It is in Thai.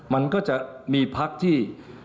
มันก็จะมีพักที่